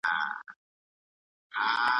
تاسي بايد منظم پلان ولرئ.